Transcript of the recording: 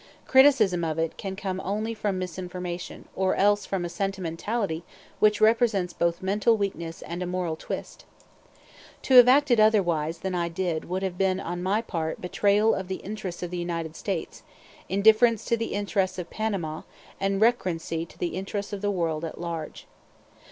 Criticism of it can come only from misinformation, or else from a sentimentality which represents both mental weakness and a moral twist. To have acted otherwise than I did would have been on my part betrayal of the interests of the United States, indifference to the interests of Panama, and recreancy to the interests of the world at large.